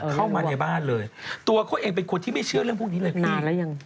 เข้ามาในบ้านเลยตัวเขาเองเป็นคนที่ไม่เชื่อเรื่องพวกนี้เลยนานแล้วยัง